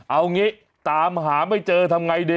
เอางี้ตามหาไม่เจอทำไงดี